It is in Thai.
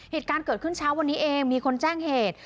เหตุการณ์เกิดขึ้นเช้าวันนี้เองมีคนแจ้งเหตุ